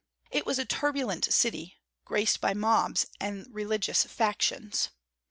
It was a turbulent city, disgraced by mobs and religious factions.